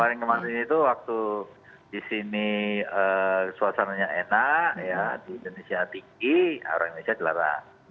kemarin kemarin itu waktu di sini suasananya enak ya di indonesia tinggi orang indonesia dilarang